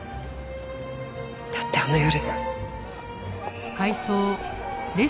だってあの夜。